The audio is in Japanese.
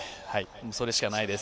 それしかないです。